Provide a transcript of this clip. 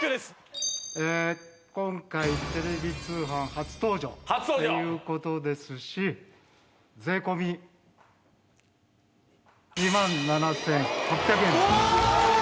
今回テレビ通販初登場っていう事ですし税込２万７８００円。おおーっ！